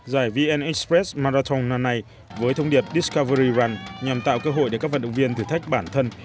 giải vn express marathon năm nay với thông điệp diskavery on nhằm tạo cơ hội để các vận động viên thử thách bản thân